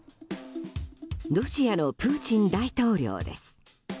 ロシアのプーチン大統領です。